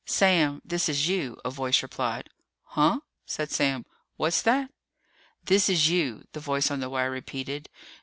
"Sam, this is you," a voice replied. "Huh?" said Sam. "What's that?" "This is you," the voice on the wire repeated.